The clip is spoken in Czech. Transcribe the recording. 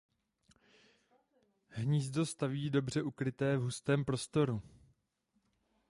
Hnízdo staví dobře ukryté v hustém porostu.